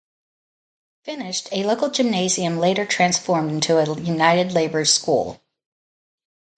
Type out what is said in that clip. Finished a local gymnasium later transformed into a United labour school.